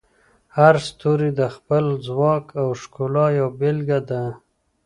هر ستوری د خپل ځواک او ښکلا یوه بیلګه ده.